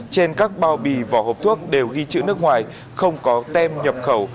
trên các bao bì vỏ hộp thuốc đều ghi chữ nước ngoài không có tem nhập khẩu